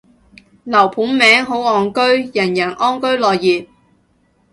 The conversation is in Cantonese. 樓盤名，好岸居，人人安居樂業